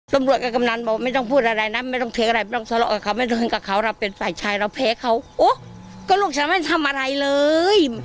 ร่วมรวดกับกำหนังบอกไม่ต้องพูดอะไรนะไม่ต้องแพ้อะไรไม่ต้องสละกับเขาไม่ต้องกันกับเขาเราเป็นสายชายเราแพ้เขาโอ๊ะก็ลูกฉันไม่ได้ทำอะไรเลย